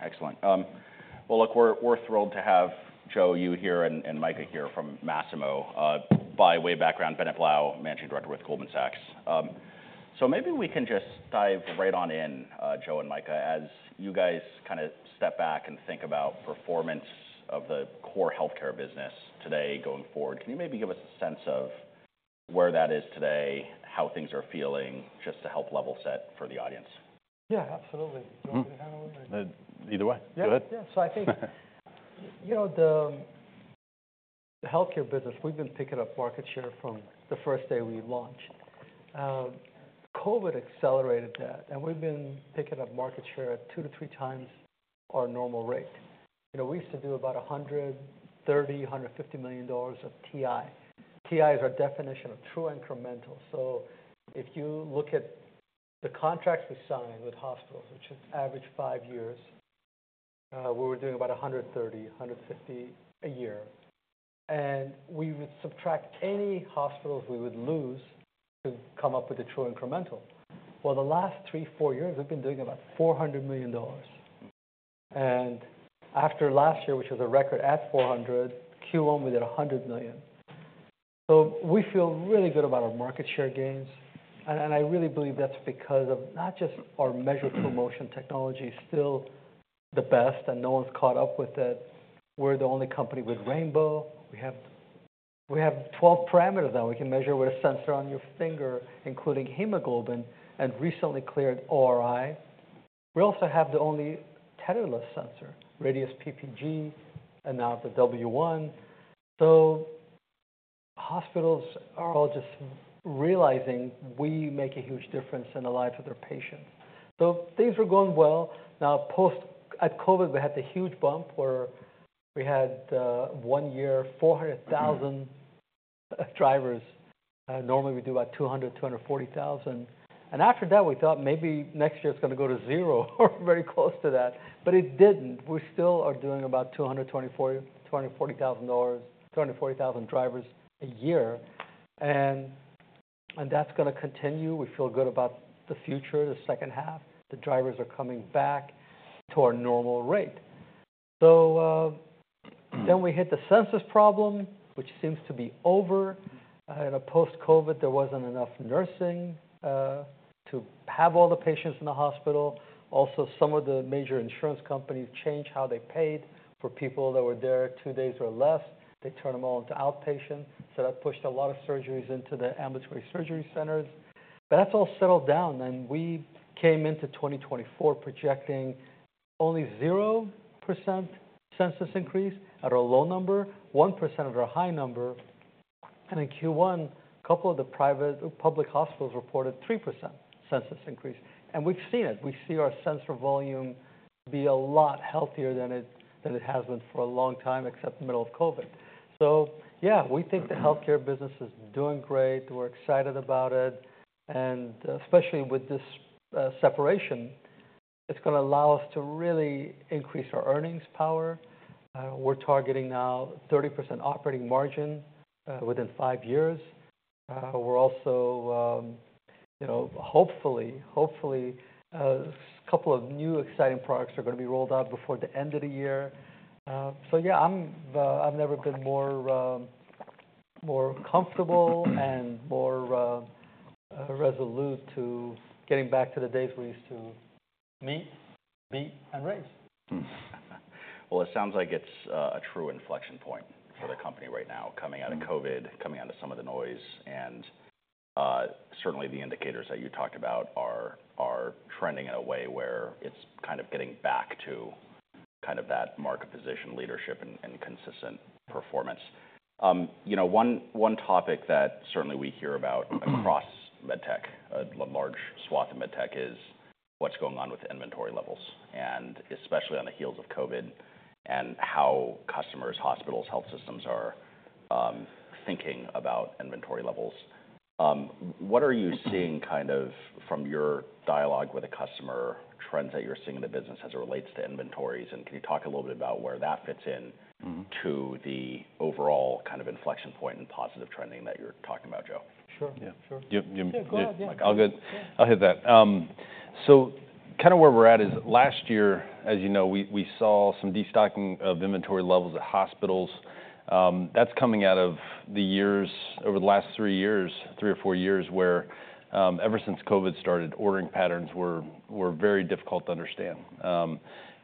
Excellent. Well, look, we're thrilled to have Joe, you here, and Micah here from Masimo. By way of background, Bennett Blau, Managing Director with Goldman Sachs. So maybe we can just dive right on in, Joe and Micah, as you guys kind of step back and think about performance of the core healthcare business today going forward. Can you maybe give us a sense of where that is today, how things are feeling, just to help level set for the audience? Yeah, absolutely. Young, what do you think? Either way. Go ahead. Yeah. So I think, you know, the healthcare business, we've been picking up market share from the first day we launched. COVID accelerated that, and we've been picking up market share at 2-3 times our normal rate. We used to do about $130-$150 million of TI. TI is our definition of true incremental. So if you look at the contracts we signed with hospitals, which average 5 years, we were doing about $130-$150 a year. And we would subtract any hospitals we would lose to come up with a true incremental. Well, the last 3-4 years, we've been doing about $400 million. And after last year, which was a record at $400, Q1, we did $100 million. So we feel really good about our market share gains. I really believe that's because of not just our measure of motion technology is still the best, and no one's caught up with it. We're the only company with Rainbow. We have 12 parameters now. We can measure with a sensor on your finger, including hemoglobin, and recently cleared ORI. We also have the only tetherless sensor, Radius PPG, and now the W1. Hospitals are all just realizing we make a huge difference in the lives of their patients. Things were going well. Now, post-COVID, we had the huge bump where we had one year, 400,000 drivers. Normally, we do about 200,000, 240,000. After that, we thought maybe next year it's going to go to zero or very close to that. It didn't. We still are doing about 240,000 drivers a year. That's going to continue. We feel good about the future, the H2. The drivers are coming back to our normal rate. So then we hit the census problem, which seems to be over. And post-COVID, there wasn't enough nursing to have all the patients in the hospital. Also, some of the major insurance companies changed how they paid for people that were there two days or less. They turned them all into outpatient. So that pushed a lot of surgeries into the Ambulatory Surgery Centers. But that's all settled down. And we came into 2024 projecting only 0% census increase at our low number, 1% at our high number. And in Q1, a couple of the private public hospitals reported 3% census increase. And we've seen it. We see our census volume be a lot healthier than it has been for a long time, except middle of COVID. So yeah, we think the healthcare business is doing great. We're excited about it. And especially with this separation, it's going to allow us to really increase our earnings power. We're targeting now 30% operating margin within five years. We're also, hopefully, hopefully, a couple of new exciting products are going to be rolled out before the end of the year. So yeah, I've never been more comfortable and more resolute to getting back to the days we used to meet, meet, and raise. Well, it sounds like it's a true inflection point for the company right now, coming out of COVID, coming out of some of the noise. And certainly, the indicators that you talked about are trending in a way where it's kind of getting back to kind of that market position, leadership, and consistent performance. One topic that certainly we hear about across MedTech, a large swath of MedTech, is what's going on with inventory levels, and especially on the heels of COVID, and how customers, hospitals, health systems are thinking about inventory levels. What are you seeing kind of from your dialogue with a customer, trends that you're seeing in the business as it relates to inventories? And can you talk a little bit about where that fits into the overall kind of inflection point and positive trending that you're talking about, Joe? Sure. Yeah, sure. You're good? Yeah. All good? I'll hit that. So kind of where we're at is last year, as you know, we saw some destocking of inventory levels at hospitals. That's coming out of the years over the last 3 years, 3 or 4 years, where ever since COVID started, ordering patterns were very difficult to understand.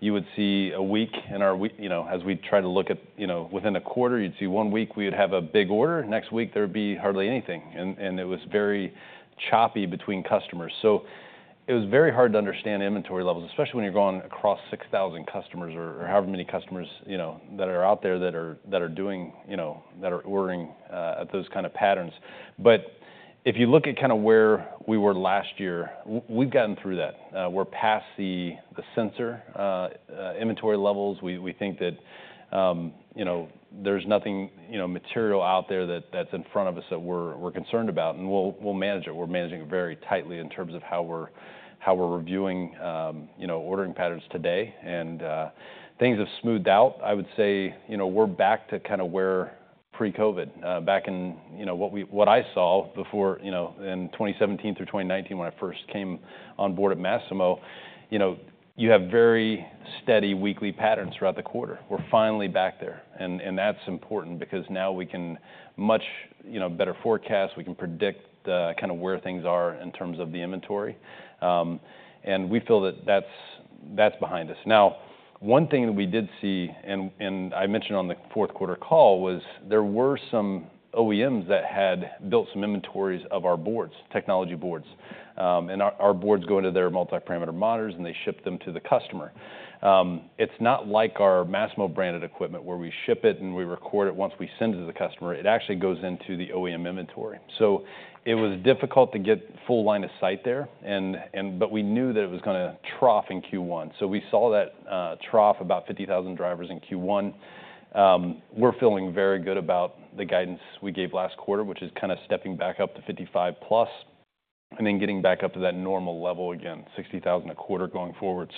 You would see a week in our, as we tried to look at within a quarter, you'd see one week we would have a big order. Next week, there would be hardly anything. And it was very choppy between customers. So it was very hard to understand inventory levels, especially when you're going across 6,000 customers or however many customers that are out there that are doing, that are ordering at those kind of patterns. But if you look at kind of where we were last year, we've gotten through that. We're past the excess inventory levels. We think that there's nothing material out there that's in front of us that we're concerned about. We'll manage it. We're managing it very tightly in terms of how we're reviewing ordering patterns today. Things have smoothed out. I would say we're back to kind of where pre-COVID, back in what I saw before in 2017 through 2019, when I first came on board at Masimo, you have very steady weekly patterns throughout the quarter. We're finally back there. That's important because now we can much better forecast. We can predict kind of where things are in terms of the inventory. We feel that that's behind us. Now, one thing that we did see, and I mentioned on the fourth quarter call, was there were some OEMs that had built some inventories of our boards, technology boards. Our boards go into their multi-parameter monitors, and they ship them to the customer. It's not like our Masimo branded equipment where we ship it and we record it once we send it to the customer. It actually goes into the OEM inventory. So it was difficult to get full line of sight there. But we knew that it was going to trough in Q1. So we saw that trough, about 50,000 drivers in Q1. We're feeling very good about the guidance we gave last quarter, which is kind of stepping back up to 55+, and then getting back up to that normal level again, 60,000 a quarter going forward.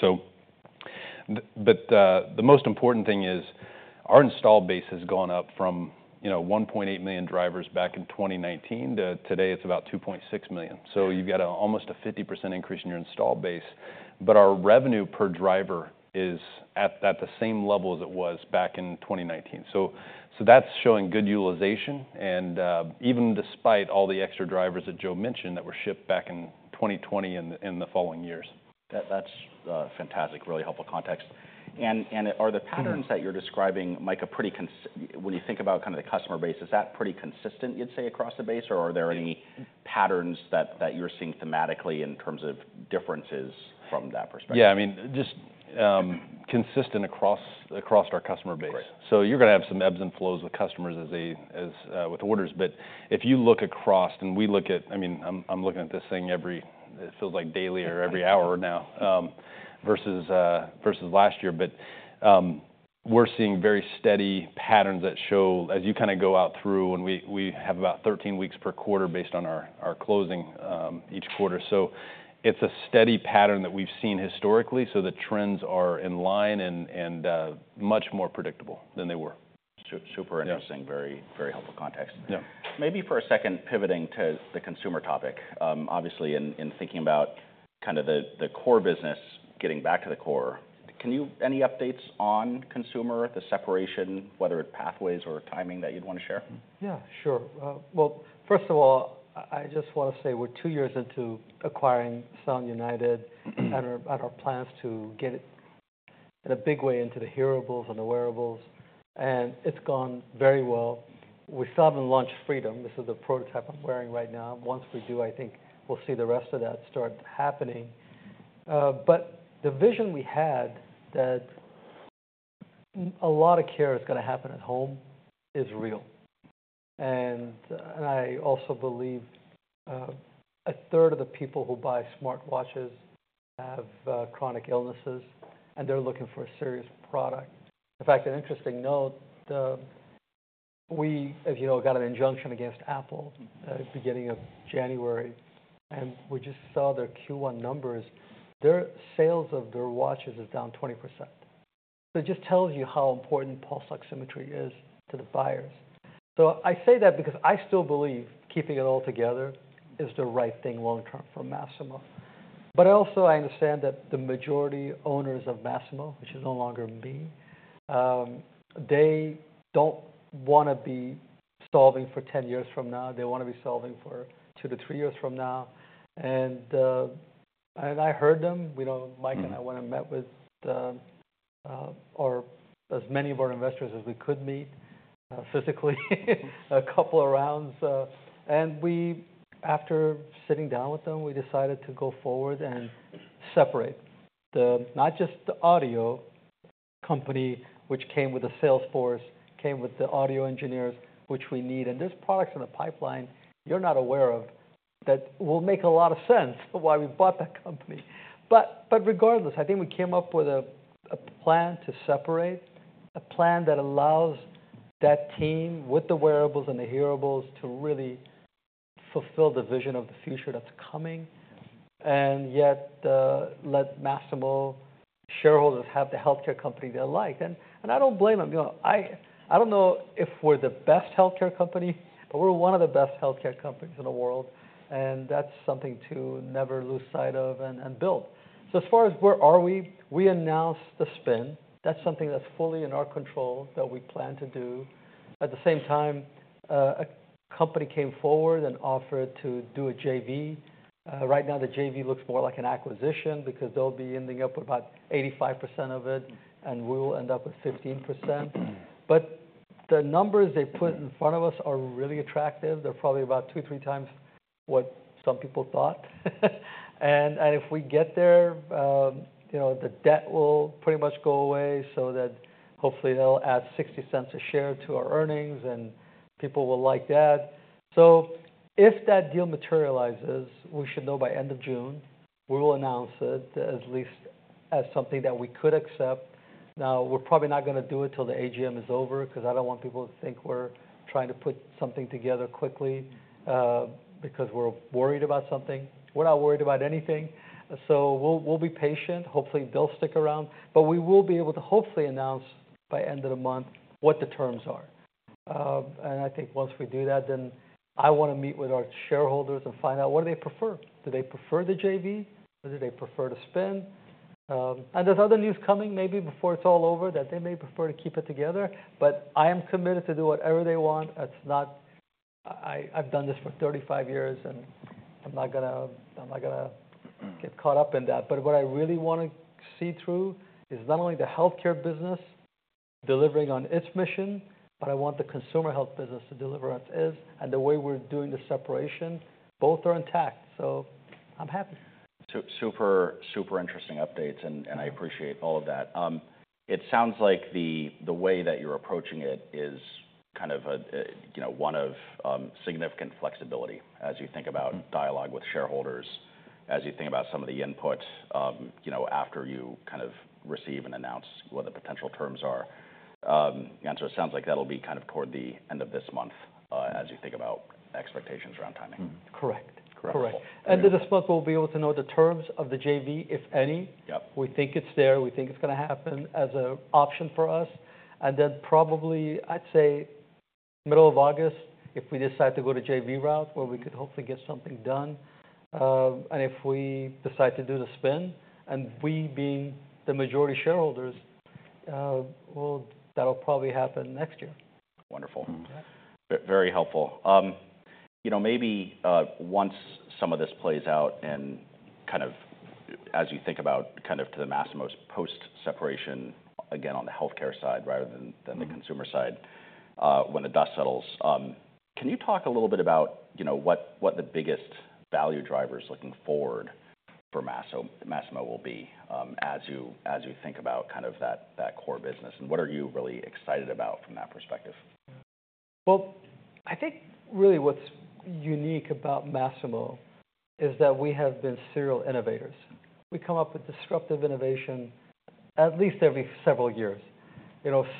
But the most important thing is our install base has gone up from 1.8 million drivers back in 2019 to today, it's about 2.6 million. So you've got almost a 50% increase in your install base. But our revenue per driver is at the same level as it was back in 2019. So that's showing good utilization, and even despite all the extra drivers that Joe mentioned that were shipped back in 2020 and the following years. That's fantastic, really helpful context. And are the patterns that you're describing, Micah, pretty when you think about kind of the customer base, is that pretty consistent, you'd say, across the base? Or are there any patterns that you're seeing thematically in terms of differences from that perspective? Yeah, I mean, just consistent across our customer base. So you're going to have some ebbs and flows with customers with orders. But if you look across, and we look at, I mean, I'm looking at this thing every, it feels like daily or every hour now versus last year. But we're seeing very steady patterns that show, as you kind of go out through, and we have about 13 weeks per quarter based on our closing each quarter. So it's a steady pattern that we've seen historically. So the trends are in line and much more predictable than they were. Super interesting, very helpful context. Maybe for a second, pivoting to the consumer topic, obviously, in thinking about kind of the core business, getting back to the core, any updates on consumer, the separation, whether it's pathways or timing that you'd want to share? Yeah, sure. Well, first of all, I just want to say we're two years into acquiring Sound United and our plans to get it in a big way into the hearables and the wearables. And it's gone very well. We saw them launch Freedom. This is the prototype I'm wearing right now. Once we do, I think we'll see the rest of that start happening. But the vision we had that a lot of care is going to happen at home is real. And I also believe a third of the people who buy smartwatches have chronic illnesses, and they're looking for a serious product. In fact, an interesting note, we, as you know, got an injunction against Apple at the beginning of January. And we just saw their Q1 numbers. Their sales of their watches is down 20%. So it just tells you how important pulse oximetry is to the buyers. So I say that because I still believe keeping it all together is the right thing long term for Masimo. But also, I understand that the majority owners of Masimo, which is no longer me, they don't want to be solving for 10 years from now. They want to be solving for 2-3 years from now. And I heard them. Micah and I went and met with as many of our investors as we could meet physically, a couple of rounds. And after sitting down with them, we decided to go forward and separate not just the audio company, which came with the sales force, came with the audio engineers, which we need. And there's products in the pipeline you're not aware of that will make a lot of sense why we bought that company. But regardless, I think we came up with a plan to separate, a plan that allows that team with the wearables and the hearables to really fulfill the vision of the future that's coming, and yet let Masimo shareholders have the healthcare company they like. And I don't blame them. I don't know if we're the best healthcare company, but we're one of the best healthcare companies in the world. And that's something to never lose sight of and build. So as far as where are we, we announced the spin. That's something that's fully in our control that we plan to do. At the same time, a company came forward and offered to do a JV. Right now, the JV looks more like an acquisition because they'll be ending up with about 85% of it, and we'll end up with 15%. But the numbers they put in front of us are really attractive. They're probably about 2-3 times what some people thought. If we get there, the debt will pretty much go away. So that hopefully, they'll add $0.60 a share to our earnings, and people will like that. If that deal materializes, we should know by end of June, we will announce it at least as something that we could accept. Now, we're probably not going to do it till the AGM is over because I don't want people to think we're trying to put something together quickly because we're worried about something. We're not worried about anything. We'll be patient. Hopefully, they'll stick around. But we will be able to hopefully announce by end of the month what the terms are. And I think once we do that, then I want to meet with our shareholders and find out what do they prefer. Do they prefer the JV? Or do they prefer to spin? And there's other news coming maybe before it's all over that they may prefer to keep it together. But I am committed to do whatever they want. I've done this for 35 years, and I'm not going to get caught up in that. But what I really want to see through is not only the healthcare business delivering on its mission, but I want the consumer health business to deliver on its mission. And the way we're doing the separation, both are intact. So I'm happy. Super, super interesting updates, and I appreciate all of that. It sounds like the way that you're approaching it is kind of one of significant flexibility as you think about dialogue with shareholders, as you think about some of the input after you kind of receive and announce what the potential terms are. And so it sounds like that'll be kind of toward the end of this month as you think about expectations around timing. Correct. Correct. And the disposal will be able to know the terms of the JV, if any. We think it's there. We think it's going to happen as an option for us. And then probably, I'd say middle of August, if we decide to go the JV route, where we could hopefully get something done. And if we decide to do the spin, and we being the majority shareholders, well, that'll probably happen next year. Wonderful. Very helpful. Maybe once some of this plays out and kind of as you think about kind of to the Masimo's post-separation again on the healthcare side rather than the consumer side, when the dust settles, can you talk a little bit about what the biggest value drivers looking forward for Masimo will be as you think about kind of that core business? And what are you really excited about from that perspective? Well, I think really what's unique about Masimo is that we have been serial innovators. We come up with disruptive innovation at least every several years.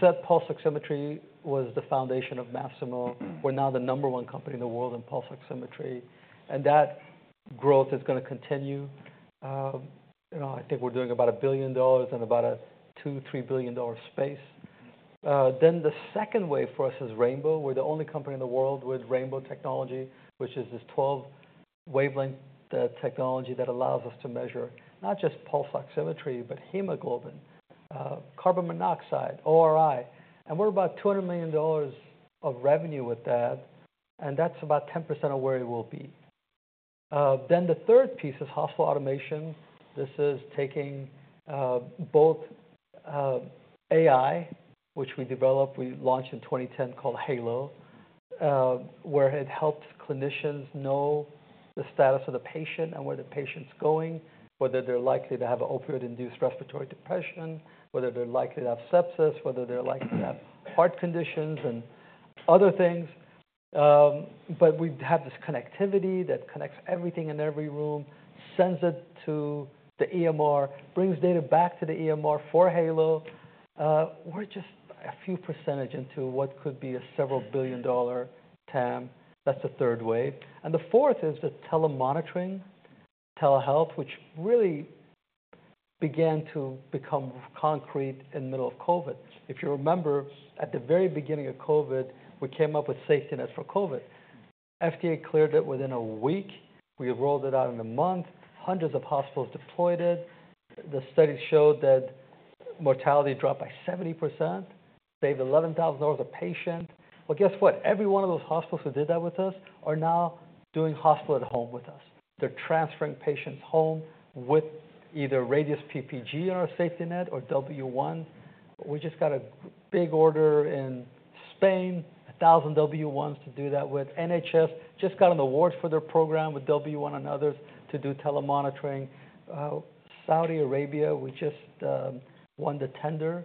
SET pulse oximetry was the foundation of Masimo. We're now the number one company in the world in pulse oximetry. And that growth is going to continue. I think we're doing about $1 billion and about a $2-$3 billion space. Then the second wave for us is Rainbow. We're the only company in the world with Rainbow technology, which is this 12-wavelength technology that allows us to measure not just pulse oximetry, but hemoglobin, carbon monoxide, ORI. And we're about $200 million of revenue with that. And that's about 10% of where it will be. Then the third piece is hospital automation. This is taking both AI, which we developed, we launched in 2010 called Halo, where it helps clinicians know the status of the patient and where the patient's going, whether they're likely to have opioid-induced respiratory depression, whether they're likely to have sepsis, whether they're likely to have heart conditions and other things. But we have this connectivity that connects everything in every room, sends it to the EMR, brings data back to the EMR for Halo. We're just a few percentage into what could be a several billion-dollar TAM. That's the third wave. The fourth is the telemonitoring, telehealth, which really began to become concrete in the middle of COVID. If you remember, at the very beginning of COVID, we came up with safety nets for COVID. FDA cleared it within a week. We rolled it out in a month. Hundreds of hospitals deployed it. The studies showed that mortality dropped by 70%, saved $11,000 a patient. Well, guess what? Every one of those hospitals who did that with us are now doing hospital at home with us. They're transferring patients home with either Radius PPG on our safety net or W1. We just got a big order in Spain, 1,000 W1s to do that with. NHS just got an award for their program with W1 and others to do telemonitoring. Saudi Arabia, we just won the tender.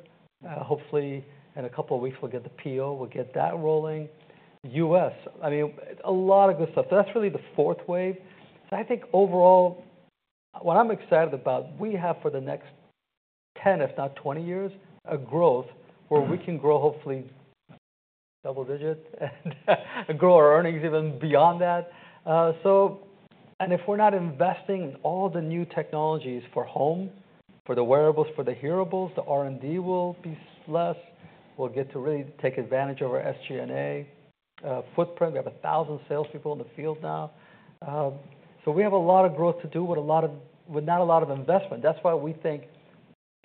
Hopefully, in a couple of weeks, we'll get the PO. We'll get that rolling. US, I mean, a lot of good stuff. That's really the fourth wave. So I think overall, what I'm excited about, we have for the next 10, if not 20 years, a growth where we can grow hopefully double digit and grow our earnings even beyond that. If we're not investing in all the new technologies for home, for the wearables, for the hearables, the R&D will be less. We'll get to really take advantage of our SG&A footprint. We have 1,000 salespeople in the field now. So we have a lot of growth to do with not a lot of investment. That's why we think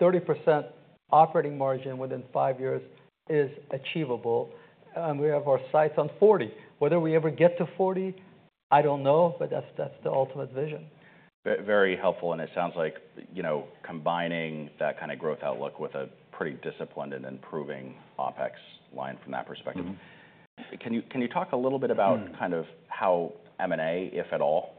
30% operating margin within five years is achievable. And we have our sights on 40. Whether we ever get to 40, I don't know, but that's the ultimate vision. Very helpful. It sounds like combining that kind of growth outlook with a pretty disciplined and improving OpEx line from that perspective. Can you talk a little bit about kind of how M&A, if at all,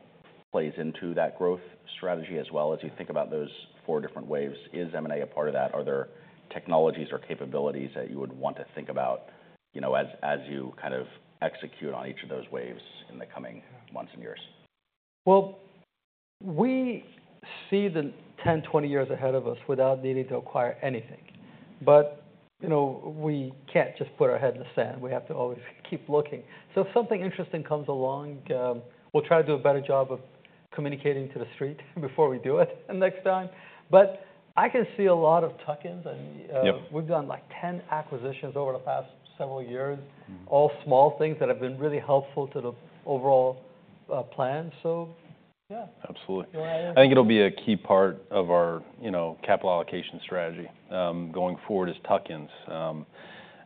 plays into that growth strategy as well as you think about those four different waves? Is M&A a part of that? Are there technologies or capabilities that you would want to think about as you kind of execute on each of those waves in the coming months and years? Well, we see the 10-20 years ahead of us without needing to acquire anything. But we can't just put our head in the sand. We have to always keep looking. So if something interesting comes along, we'll try to do a better job of communicating to the street before we do it next time. But I can see a lot of tuck-ins. We've done like 10 acquisitions over the past several years, all small things that have been really helpful to the overall plan. So yeah. Absolutely. I think it'll be a key part of our capital allocation strategy going forward is tuck-ins.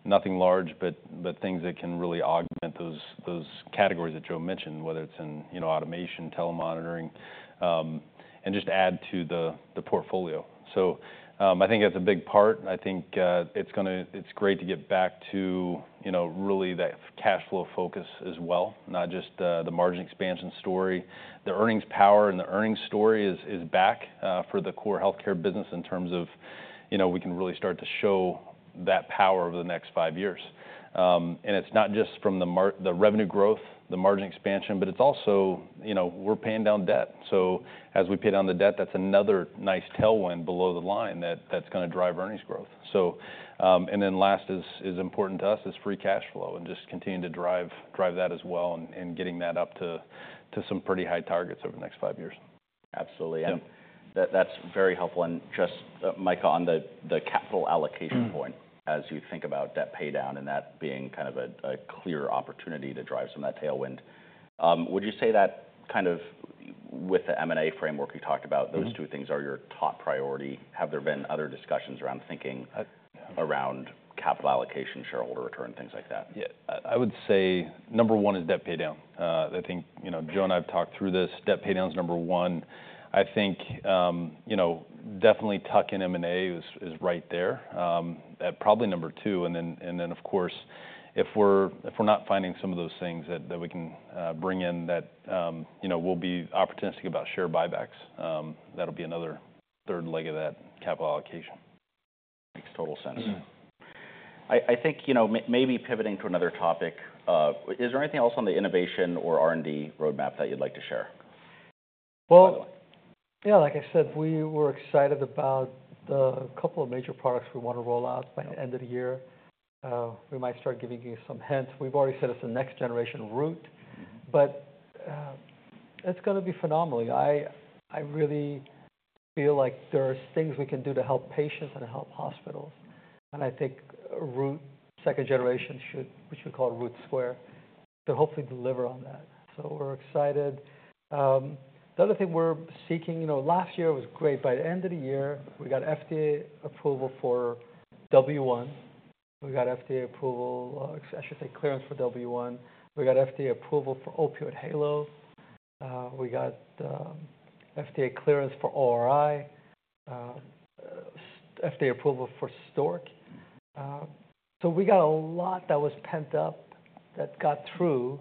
Nothing large, but things that can really augment those categories that Joe mentioned, whether it's in automation, telemonitoring, and just add to the portfolio. So I think that's a big part. I think it's great to get back to really that cash flow focus as well, not just the margin expansion story. The earnings power and the earnings story is back for the core healthcare business in terms of we can really start to show that power over the next five years. And it's not just from the revenue growth, the margin expansion, but it's also we're paying down debt. So as we pay down the debt, that's another nice tailwind below the line that's going to drive earnings growth. And then last is important to us is free cash flow and just continuing to drive that as well and getting that up to some pretty high targets over the next five years. Absolutely. That's very helpful. And just, Micah, on the capital allocation point, as you think about debt paydown and that being kind of a clear opportunity to drive some of that tailwind, would you say that kind of with the M&A framework you talked about, those two things are your top priority? Have there been other discussions around thinking around capital allocation, shareholder return, things like that? Yeah. I would say number one is debt paydown. I think Joe and I have talked through this. Debt paydown is number one. I think definitely Tuck and M&A is right there at probably number two. And then, of course, if we're not finding some of those things that we can bring in that will be opportunistic about share buybacks, that'll be another third leg of that capital allocation. Makes total sense. I think maybe pivoting to another topic, is there anything else on the innovation or R&D roadmap that you'd like to share? Well, yeah, like I said, we were excited about a couple of major products we want to roll out by the end of the year. We might start giving you some hints. We've already said it's a next generation Root, but it's going to be phenomenal. I really feel like there are things we can do to help patients and help hospitals. And I think second generation, which we call Root Square, could hopefully deliver on that. So we're excited. The other thing we're seeking, last year was great. By the end of the year, we got FDA approval for W1. We got FDA approval, I should say clearance for W1. We got FDA approval for Opioid Halo. We got FDA clearance for ORI, FDA approval for Stork. So we got a lot that was pent up that got through.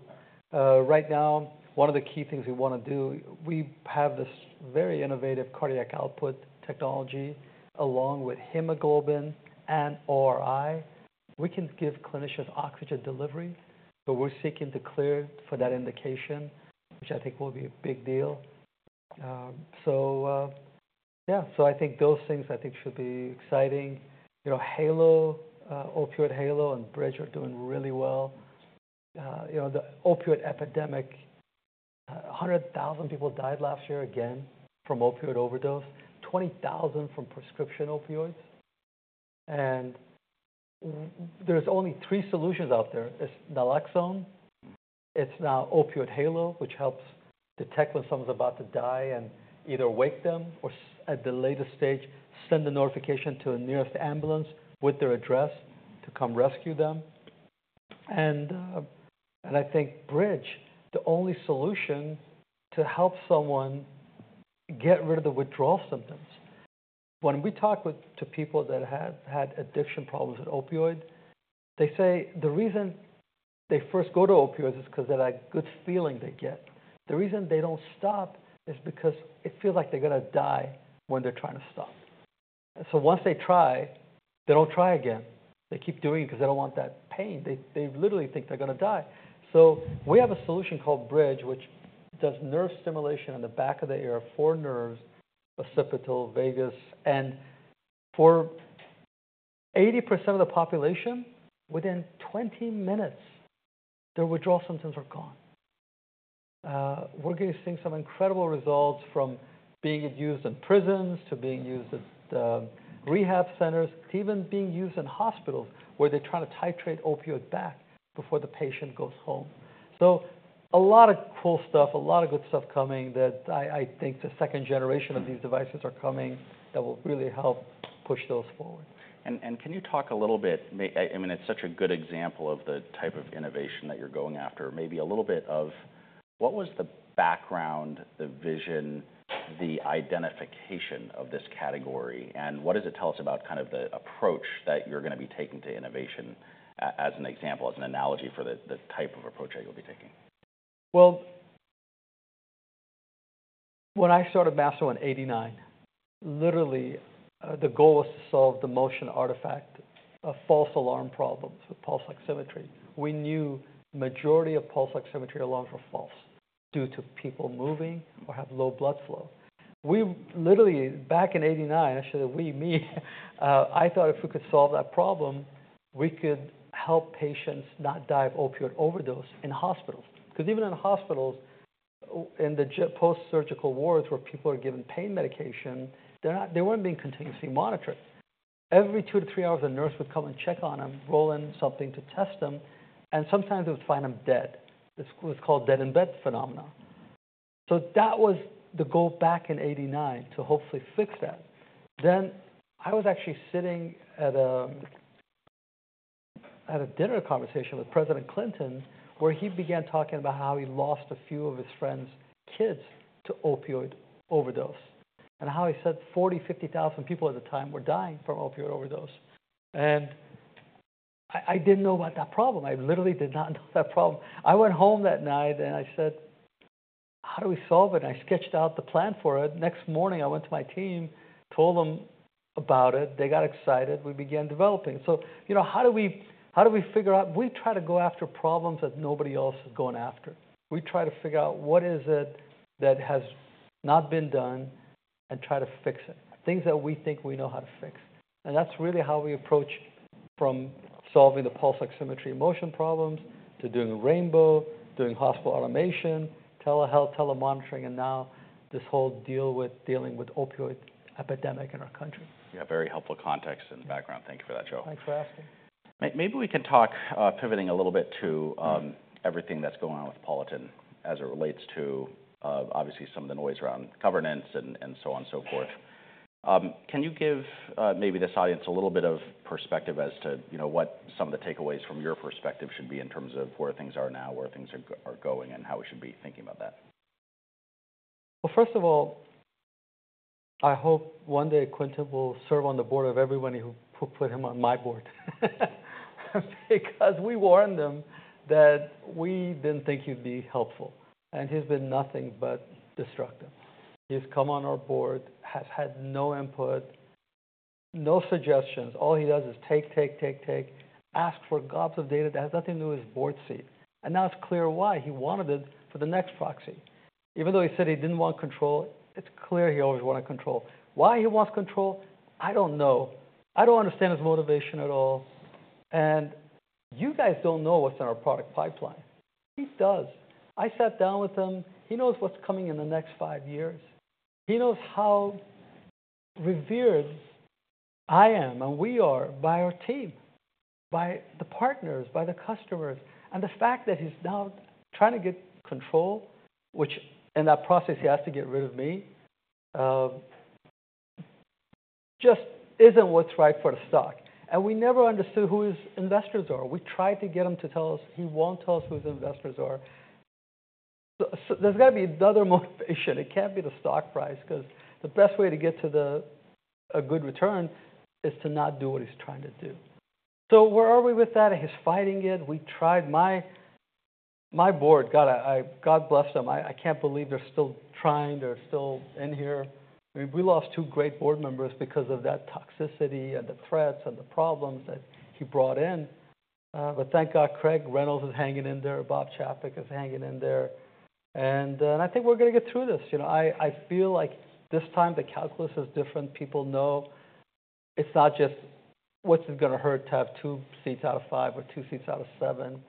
Right now, one of the key things we want to do, we have this very innovative cardiac output technology along with hemoglobin and ORI. We can give clinicians oxygen delivery. So we're seeking to clear for that indication, which I think will be a big deal. So yeah, so I think those things I think should be exciting. Halo, Opioid Halo and Bridge are doing really well. The opioid epidemic, 100,000 people died last year again from opioid overdose, 20,000 from prescription opioids. And there's only three solutions out there. It's Naloxone. It's now Opioid Halo, which helps detect when someone's about to die and either wake them or at the latest stage, send a notification to a nearest ambulance with their address to come rescue them. And I think Bridge, the only solution to help someone get rid of the withdrawal symptoms. When we talk to people that have had addiction problems with opioid, they say the reason they first go to opioids is because they're that good feeling they get. The reason they don't stop is because it feels like they're going to die when they're trying to stop. So once they try, they don't try again. They keep doing it because they don't want that pain. They literally think they're going to die. So we have a solution called Bridge, which does nerve stimulation on the back of the ear for nerves, occipital, vagus. And for 80% of the population, within 20 minutes, their withdrawal symptoms are gone. We're going to see some incredible results from being used in prisons to being used at rehab centers to even being used in hospitals where they're trying to titrate opioid back before the patient goes home. So a lot of cool stuff, a lot of good stuff coming that I think the second generation of these devices are coming that will really help push those forward. Can you talk a little bit, I mean, it's such a good example of the type of innovation that you're going after, maybe a little bit of what was the background, the vision, the identification of this category, and what does it tell us about kind of the approach that you're going to be taking to innovation as an example, as an analogy for the type of approach that you'll be taking? Well, when I started Masimo in 1989, literally the goal was to solve the motion artifact of false alarm problems with pulse oximetry. We knew the majority of pulse oximetry alarms were false due to people moving or having low blood flow. We literally, back in 1989, I should say we, me, I thought if we could solve that problem, we could help patients not die of opioid overdose in hospitals. Because even in hospitals, in the post-surgical wards where people are given pain medication, they weren't being continuously monitored. Every two to three hours, a nurse would come and check on them, roll in something to test them. And sometimes they would find them dead. It's called dead in bed phenomenon. So that was the goal back in 1989 to hopefully fix that. Then I was actually sitting at a dinner conversation with President Clinton where he began talking about how he lost a few of his friends' kids to opioid overdose and how he said 40,000, 50,000 people at the time were dying from opioid overdose. And I didn't know about that problem. I literally did not know that problem. I went home that night and I said, how do we solve it? And I sketched out the plan for it. Next morning, I went to my team, told them about it. They got excited. We began developing. So how do we figure out? We try to go after problems that nobody else is going after. We try to figure out what is it that has not been done and try to fix it, things that we think we know how to fix. That's really how we approach from solving the pulse oximetry motion problems to doing rainbow, doing hospital automation, telehealth, telemonitoring, and now this whole deal with dealing with opioid epidemic in our country. Yeah, very helpful context in the background. Thank you for that, Joe. Thanks for asking. Maybe we can talk pivoting a little bit to everything that's going on with Politan as it relates to obviously some of the noise around governance and so on and so forth. Can you give maybe this audience a little bit of perspective as to what some of the takeaways from your perspective should be in terms of where things are now, where things are going, and how we should be thinking about that? Well, first of all, I hope one day Koffey will serve on the board of everybody who put him on my board. Because we warned them that we didn't think he'd be helpful. He's been nothing but destructive. He's come on our board, has had no input, no suggestions. All he does is take, take, take, take, ask for gobs of data that has nothing to do with his board seat. Now it's clear why he wanted it for the next proxy. Even though he said he didn't want control, it's clear he always wanted control. Why he wants control, I don't know. I don't understand his motivation at all. You guys don't know what's in our product pipeline. He does. I sat down with him. He knows what's coming in the next five years. He knows how revered I am and we are by our team, by the partners, by the customers. And the fact that he's now trying to get control, which in that process he has to get rid of me, just isn't what's right for the stock. And we never understood who his investors are. We tried to get him to tell us. He won't tell us who his investors are. There's got to be another motivation. It can't be the stock price because the best way to get to a good return is to not do what he's trying to do. So where are we with that? And he's fighting it. We tried. My board, God bless them. I can't believe they're still trying. They're still in here. I mean, we lost two great board members because of that toxicity and the threats and the problems that he brought in. But thank God Craig Reynolds is hanging in there. Bob Chapek is hanging in there. And I think we're going to get through this. I feel like this time the calculus is different. People know it's not just what's it going to hurt to have two seats out of five or two seats out of seven.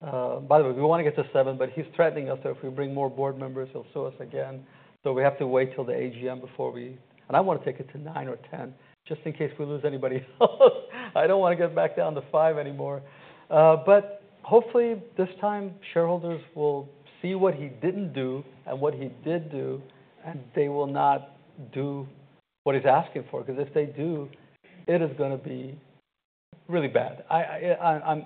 By the way, we want to get to seven, but he's threatening us that if we bring more board members, he'll sue us again. So we have to wait till the AGM before we, and I want to take it to nine or 10 just in case we lose anybody else. I don't want to get back down to five anymore. But hopefully this time shareholders will see what he didn't do and what he did do, and they will not do what he's asking for. Because if they do, it is going to be really bad. I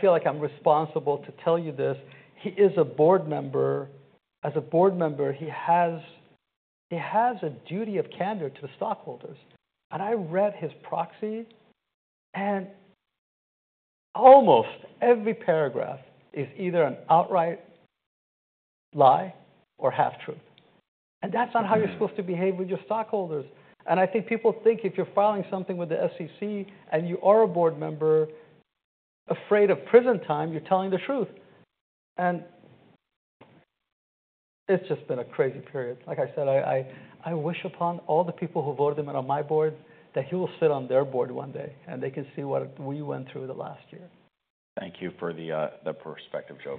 feel like I'm responsible to tell you this. He is a board member. As a board member, he has a duty of candor to the stockholders. I read his proxy, and almost every paragraph is either an outright lie or half truth. And that's not how you're supposed to behave with your stockholders. And I think people think if you're filing something with the SEC and you are a board member afraid of prison time, you're telling the truth. And it's just been a crazy period. Like I said, I wish upon all the people who voted him on my board that he will sit on their board one day and they can see what we went through the last year. Thank you for the perspective, Joe.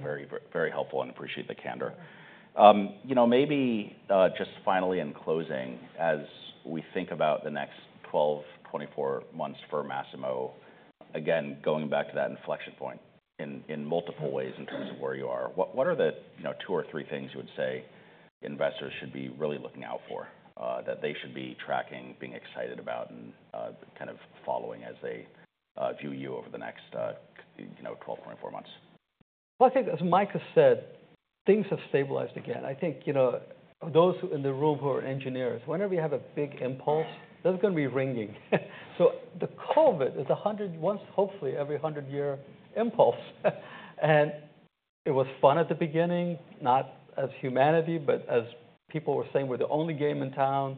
Very helpful and appreciate the candor. Maybe just finally in closing, as we think about the next 12, 24 months for Masimo, again, going back to that inflection point in multiple ways in terms of where you are, what are the two or three things you would say investors should be really looking out for that they should be tracking, being excited about, and kind of following as they view you over the next 12, 24 months? Well, I think as Micah said, things have stabilized again. I think those in the room who are engineers, whenever you have a big impulse, there's going to be ringing. So the COVID is a hopefully every 100-year impulse. And it was fun at the beginning, not as humanity, but as people were saying, we're the only game in town.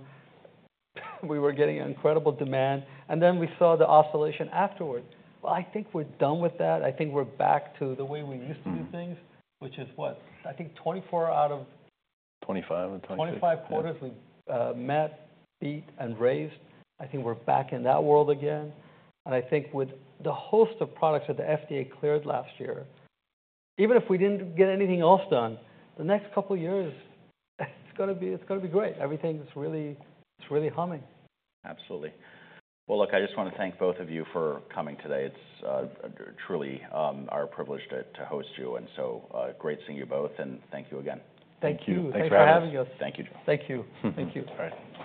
We were getting incredible demand. And then we saw the oscillation afterward. Well, I think we're done with that. I think we're back to the way we used to do things, which is what, I think 24 out of. 25 or 26. 25 quarters we met, beat, and raised. I think we're back in that world again. I think with the host of products that the FDA cleared last year, even if we didn't get anything else done, the next couple of years, it's going to be great. Everything's really humming. Absolutely. Well, look, I just want to thank both of you for coming today. It's truly our privilege to host you. So great seeing you both. Thank you again. Thank you. Thanks for having us. Thank you, Joe. Thank you. Thank you. All right.